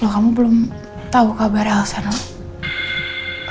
kamu belum tahu kabar elsa nona